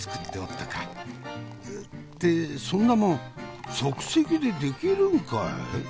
ってそんなもん即席でできるんかい。